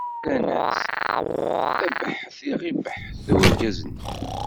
Rran-as: D abeḥḥet i ɣ-ibeḥḥet urgaz-nni.